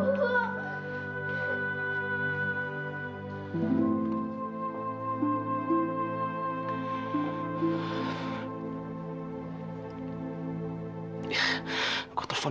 bersenangnya aku rewards dong